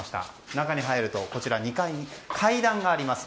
中に入ると、２階に階段があります。